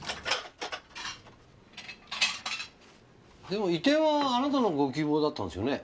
でも移転はあなたのご希望だったんですよね？